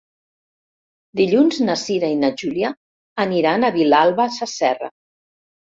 Dilluns na Cira i na Júlia aniran a Vilalba Sasserra.